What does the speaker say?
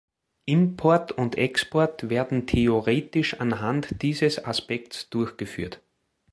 Import und Export werden theoretisch anhand dieses Aspekts durchgeführt.